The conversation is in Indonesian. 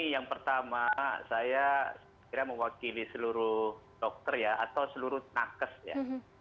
yang pertama saya kira mewakili seluruh dokter ya atau seluruh nakes ya